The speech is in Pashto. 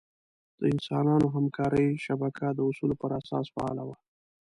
د انسانانو همکارۍ شبکه د اصولو پر اساس فعاله وه.